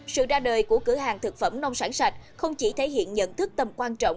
sự ra đời của cửa hàng thực phẩm nông sản sạch không chỉ thể hiện nhận thức tầm quan trọng